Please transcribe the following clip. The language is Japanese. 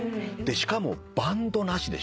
しかもバンドなしでしょ？